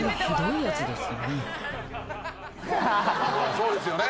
そうですよね？